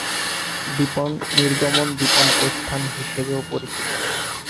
দীপন নির্গমন দীপন প্রস্থান হিসাবেও পরিচিত।